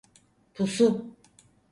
Pusu!